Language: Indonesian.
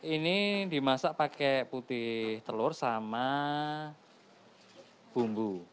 ini dimasak pakai putih telur sama bumbu